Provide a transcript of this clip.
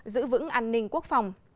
giữ vững an ninh quốc phòng